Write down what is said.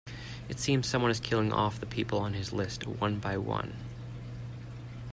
It seems someone is killing off the people on his list, one by one.